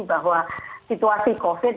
bahwa situasi covid sembilan belas